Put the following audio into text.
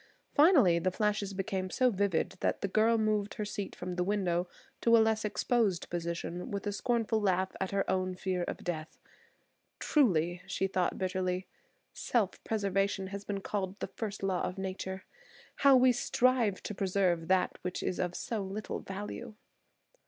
Finally the flashes became so vivid that the girl moved her seat from the window to a less exposed position with a scornful laugh at her own fear of death. "Truly," she thought bitterly, "self preservation has been called the first law of nature. How we strive to preserve that which is of so little value."